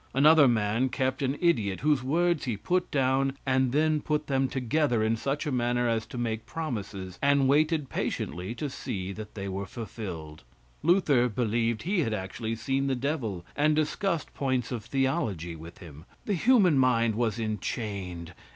Another man kept an idiot, whose words he put down and then put them together in such a manner as to make promises, and waited patiently to see that they were fulfilled. Luther believed he had actually seen the devil and discussed points of theology with him. The human mind was enchained.